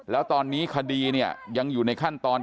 แล้วตอนนี้คดีเนี่ยยังอยู่ในขั้นตอน